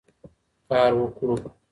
کار وکړو.